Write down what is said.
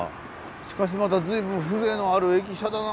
しかしまた随分風情のある駅舎だな。